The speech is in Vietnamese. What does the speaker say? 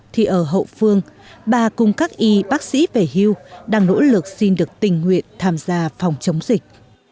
thì ở hậu phương bà cùng các y bác sĩ về hưu đang nỗ lực xin được tình nguyện tham gia phòng chống dịch